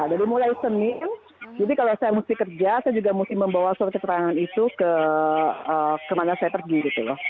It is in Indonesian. dari mulai senin jadi kalau saya mesti kerja saya juga mesti membawa surat keterangan itu kemana saya pergi gitu loh